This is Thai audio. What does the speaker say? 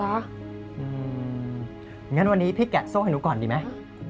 อืมงั้นวันนี้พี่แกะโซ่ให้หนูก่อนดีมั้ย